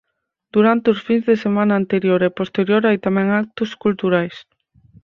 Durante os fins de semana anterior e posterior hai tamén actos culturais.